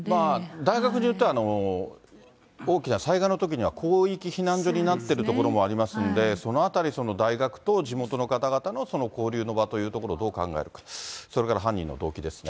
大学でいうと、大きな災害のときは広域避難所になっている所もありますんで、そのあたり、その大学と地元の方々の交流の場というところをどう考えるか、それから犯人の動機ですね。